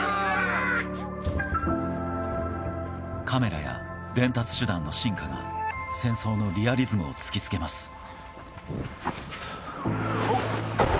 カメラや伝達手段の進化が戦争のリアリズムを突きつけます。